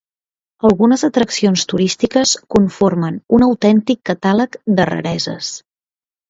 Algunes atraccions turístiques conformen un autèntic catàleg de rareses.